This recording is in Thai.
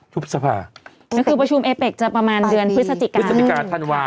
ยุคสภานั่นคือประชุมเอเป็กจะประมาณเดือนพฤศติกาพฤศติกาธรรมวา